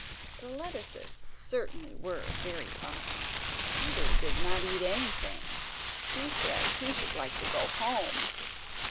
The lettuces certainly were very fine. Peter did not eat anything; he said he should like to go home.